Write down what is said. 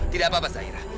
tidak apa apa zairah